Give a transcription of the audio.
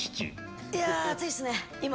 いや暑いっすね。